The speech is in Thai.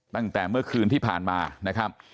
ตั้งแต่เมื่อคืนที่ผ่านมานะครับ